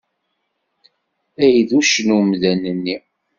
Ay d uccen umdan-nni!